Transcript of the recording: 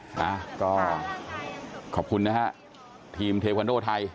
ฮะก็ขอบคุณนะฮะทีมเทควันโดไทย